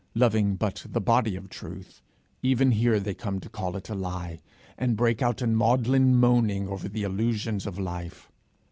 Loving but the body of Truth, even here they come to call it a lie, and break out in maudlin moaning over the illusions of life.